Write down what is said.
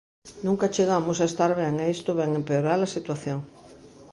Nunca chegamos a estar ben e isto vén empeorar a situación.